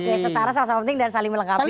oke setara sama sama penting dan saling melengkapi